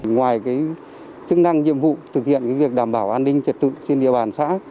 ngoài chức năng nhiệm vụ thực hiện việc đảm bảo an ninh trật tự trên địa bàn xã